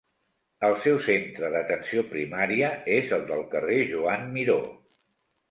El seu Centre d'atenció primària és el del carrer Joan Miró.